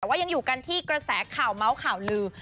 แต่ว่ายังอยู่กันที่กระแสข่าวเมาส์ข่าวลือ